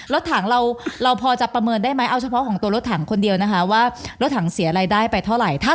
รถถังเราพอจะประเมินได้ไหมเอาเฉพาะของตัวรถถังคนเดียวนะคะว่ารถถังเสียรายได้ไปเท่าไหร่